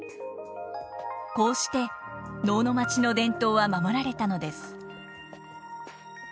こうして能の町の伝統は守られたのです。